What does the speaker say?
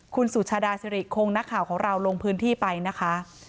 คุณสุชาดาสิริคงนักข่าวของเราลงพื้นที่ไปนะคะ